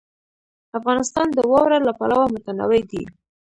افغانستان د واوره له پلوه متنوع دی.